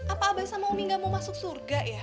apa abah sama oming gak mau masuk surga ya